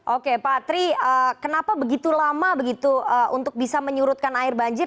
oke pak tri kenapa begitu lama begitu untuk bisa menyurutkan air banjir